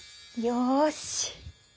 よし！